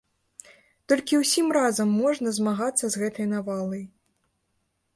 Толькі ўсім разам можна змагацца з гэтай навалай.